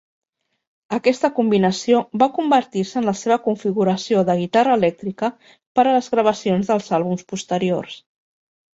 Aquesta combinació va convertir-se en la seva configuració de guitarra elèctrica per a les gravacions dels àlbums posteriors.